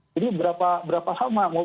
jadi berapa lama